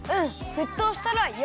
ふっとうしたらよ